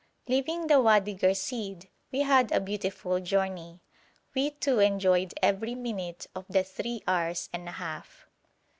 Leaving the Wadi Ghersìd we had a beautiful journey. We two enjoyed every minute of the three hours and a half.